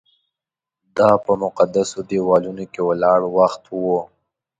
دا په مقدسو دیوالونو کې ولاړ وخت و.